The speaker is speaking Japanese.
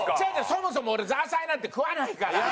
そもそも俺ザーサイなんて食わないから。